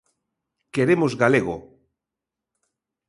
Queremos Galego.